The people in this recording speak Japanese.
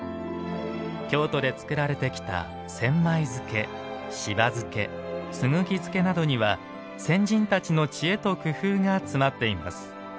京都で作られてきた千枚漬しば漬け、すぐき漬けなどには先人たちの知恵と工夫が詰まっています。